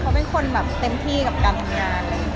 เขาเป็นคนเต็มที่กับการทำงาน